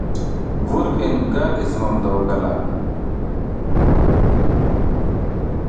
Vur hin gar i zimam daw galang.